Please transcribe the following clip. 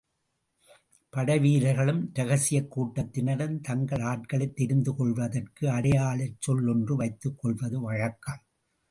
படைவீரர்களும், இரகசியக் கூட்டத்தினரும், தங்கள் ஆட்களைத் தெரிந்து கொள்வதற்கு அடையாளச்சொல் ஒன்று வைத்துக் கொள்வது வழக்கம்.